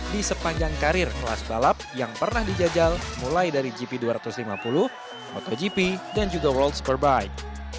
di sepanjang karir kelas balap yang pernah dijajal mulai dari gp dua ratus lima puluh motogp dan juga world superbike